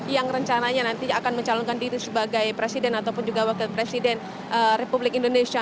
yang rencananya nanti akan mencalonkan diri sebagai presiden ataupun juga wakil presiden republik indonesia